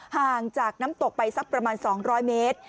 ห่างจากน้ำตกไปสักประมาณ๒๐๐เมตร